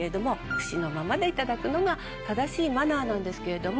串のままでいただくのが正しいマナーなんですけれども。